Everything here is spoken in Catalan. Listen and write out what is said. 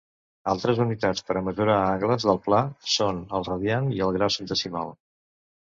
Altres unitats per a mesurar angles del pla són el radiant i el grau centesimal.